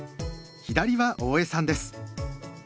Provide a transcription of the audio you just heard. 左は大江さんです。